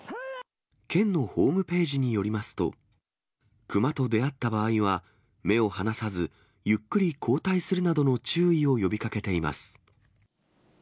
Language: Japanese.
県のホームページによりますと、熊と出会った場合は目を離さず、ゆっくり後退するなどの注意を呼びかけています。